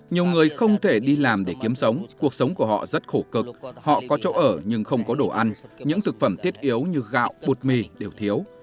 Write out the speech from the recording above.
nhiều người không thể đi làm để kiếm sống cuộc sống của họ rất khổ cực họ có chỗ ở nhưng không có đồ ăn những thực phẩm thiết yếu như gạo bột mì đều thiếu